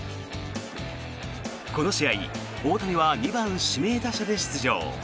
この試合大谷は２番指名打者で出場。